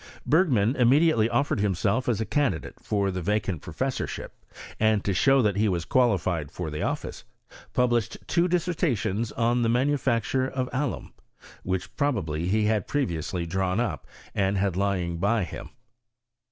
Bergman immediately offered himself as a candidate for the vacant professor nkdp : and, to show that he was qualified for the office, pubUshed two dissertations on the Ma nufacture of Alum, which probably he had pre Tiously drawn up, and had lying by him.